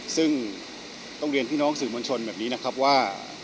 ซึ่งต้องเรียนพี่น้องสื่อมวลชนแบบนี้นะครับว่า